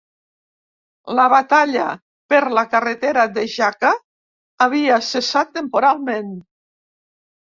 La batalla per la carretera de Jaca havia cessat temporalment